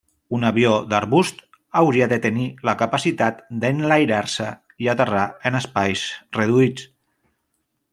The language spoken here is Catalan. Un avió d'arbust hauria de tenir la capacitat d'enlairar-se i aterrar en espais reduïts.